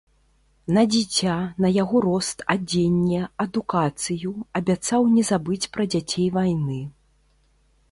На дзіця, на яго рост, адзенне, адукацыю, абяцаў не забыць пра дзяцей вайны.